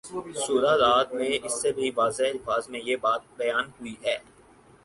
سورۂ رعد میں اس سے بھی واضح الفاظ میں یہ بات بیان ہوئی ہے